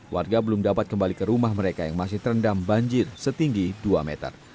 warga belum dapat kembali ke rumah mereka yang masih terendam banjir setinggi dua meter